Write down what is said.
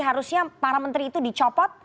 harusnya para menteri itu dicopot